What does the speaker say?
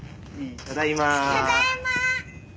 ただいま！